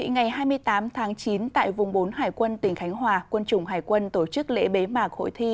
ngày hai mươi tám tháng chín tại vùng bốn hải quân tỉnh khánh hòa quân chủng hải quân tổ chức lễ bế mạc hội thi